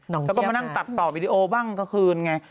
น้องเจี้ยบค่ะแล้วก็มานั่งตัดต่อวีดีโอบ้างกลางคืนไง